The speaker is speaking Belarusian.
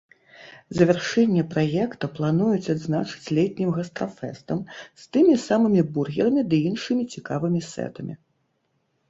Завяршэнне праекта плануюць адзначыць летнім гастрафэстам з тымі самымі бургерамі ды іншымі цікавымі сэтамі.